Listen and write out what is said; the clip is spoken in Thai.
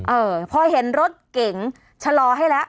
เออพอเห็นรถเก๋งชะลอให้แล้ว